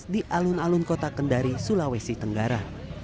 di alun alun kota kendari sulawesi tenggara